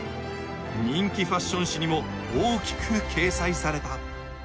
人気ファッション誌にも大きく掲載された。